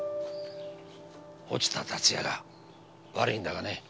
落ちた龍哉が悪いんだがね。